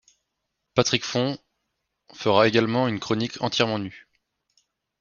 Patrick Font fera également une chronique entièrement nu.